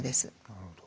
なるほど。